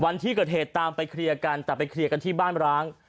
วันที่เกิดเหตุตามไปเคลียร์กันแต่ไปเคลียร์กันที่บ้านร้าง